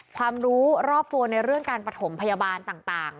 ความรู้รอบตัวในเรื่องการปฐมพยาบาลต่าง